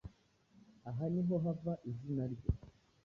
Aha ni ho hava izina rye